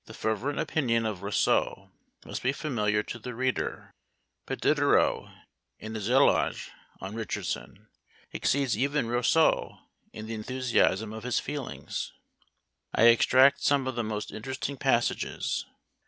The fervent opinion of Rousseau must be familiar to the reader; but Diderot, in his éloge on Richardson, exceeds even Rousseau in the enthusiasm of his feelings. I extract some of the most interesting passages.